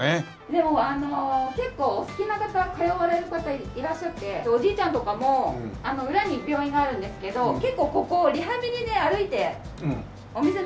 でもあの結構お好きな方通われる方いらっしゃっておじいちゃんとかも裏に病院があるんですけど結構ここリハビリで歩いてお店の前歩いて。